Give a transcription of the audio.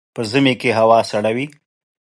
په ژمي کي هوا سړه وي.